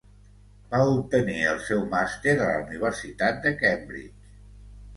Va obtenir el seu màster a la Universitat de Cambridge.